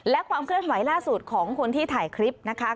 และความเคลื่อนไหวล่าสุดของคนที่ถ่ายคลิปนะคะ